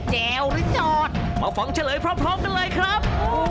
คุกครับ